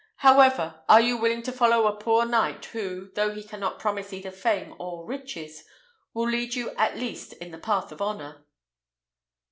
However, are you willing to follow a poor knight, who, though he cannot promise either fame or riches, will lead you, at least, in the path of honour?"